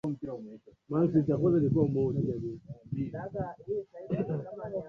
alipaswa kukubali maeneo mapya ya Wajerumani